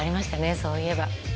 そういえば。